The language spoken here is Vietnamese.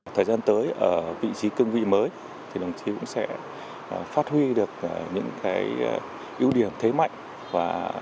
thời gian tới ở vị trí cương vị mới thì đồng chí cũng sẽ phát huy được những cái ưu điểm thế mạnh